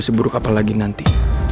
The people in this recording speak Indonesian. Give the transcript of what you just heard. seburuk apalagi nanti